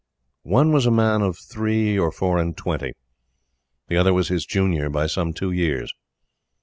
One was a man of three or four and twenty, the other was his junior by some two years.